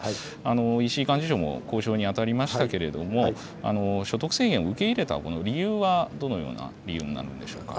石井幹事長も交渉に当たりましたけれども、所得制限を受け入れた理由は、どのような理由なのでしょうか。